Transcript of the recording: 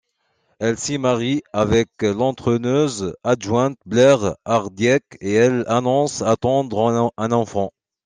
Elle s'y marie avec l'entraineuse adjointe Blair Hardiek et elles annoncent attendre un enfant.